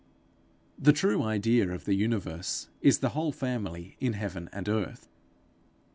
The true idea of the universe is the whole family in heaven and earth.